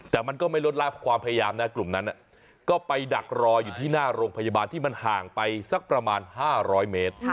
แต่มันก็ไม่ลดลาบความพยายามนะกลุ่มนั้นก็ไปดักรออยู่ที่หน้าโรงพยาบาลที่มันห่างไปสักประมาณ๕๐๐เมตร